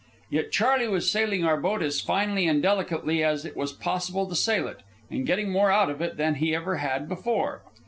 Yet Charley was sailing our boat as finely and delicately as it was possible to sail it, and getting more out of it than he ever had before.